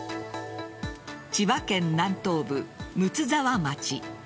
千葉県南東部・睦沢町。